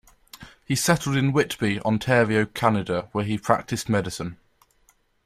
He settled in Whitby, Ontario, Canada, where he practiced medicine.